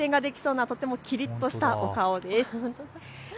運転ができそうなとてもきりっとしたお顔です。